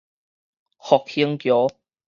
復興橋